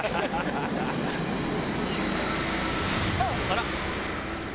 あら！